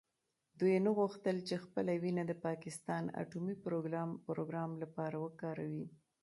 دوی نه غوښتل چې خپله وینه د پاکستان اټومي پروګرام لپاره وکاروي.